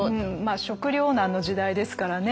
食糧難の時代ですからね。